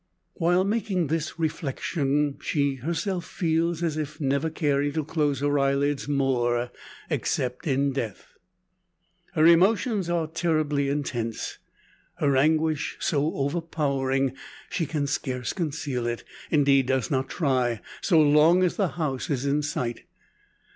While making this reflection she herself feels, as if never caring to close her eyelids more except in death! Her emotions are terribly intense, her anguish so overpowering, she can scarce conceal it indeed does not try, so long as the house is in sight.